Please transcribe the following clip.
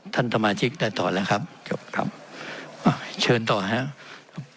ท่านสมาชิกได้ต่อแล้วครับจบครับอ่ะเชิญต่อครับ